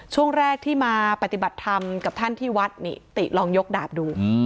ช่วงแรกที่มาปฏิบัติธรรมกับท่านที่วัดนี่ติลองยกดาบดู